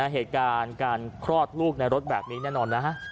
เหตุการณ์การคลอดลูกในรถแบบนี้แน่นอนนะฮะ